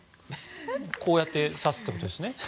こうやって指すということですね。